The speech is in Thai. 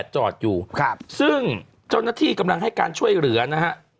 จอดอยู่ครับซึ่งเจ้าหน้าที่กำลังให้การช่วยเหลือนะฮะ